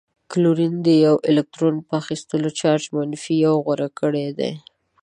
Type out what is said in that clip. کلورین د یوه الکترون په اخیستلو چارج منفي یو غوره کړی دی.